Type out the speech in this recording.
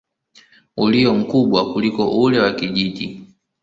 ulio mkubwa kuliko ule wa kijiji.